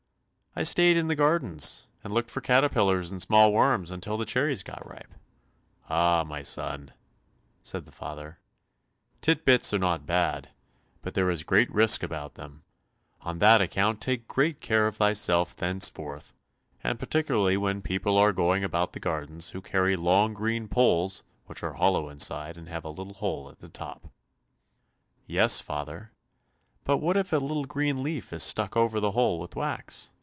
"I stayed in the gardens, and looked for caterpillars and small worms, until the cherries got ripe." "Ah, my son," said the father, "tit bits are not bad, but there is great risk about them; on that account take great care of thyself henceforth, and particularly when people are going about the gardens who carry long green poles which are hollow inside and have a little hole at the top." "Yes, father, but what if a little green leaf is stuck over the hole with wax?"